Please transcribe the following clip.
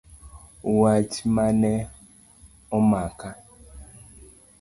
Wach mane omaka.